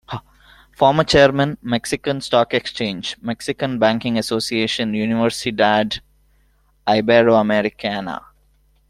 Former Chairman: Mexican Stock Exchange, Mexican Banking Association, Universidad Iberoamericana.